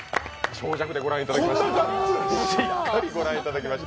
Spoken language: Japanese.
長尺でしっかりご覧いただきました。